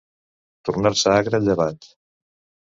Tornar-se agre el llevat.